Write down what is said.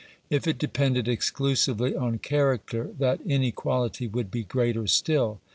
If it depended exclusively on char acter, that inequality would be greater still.